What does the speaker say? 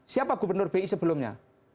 siapa gubernur bi sebelumnya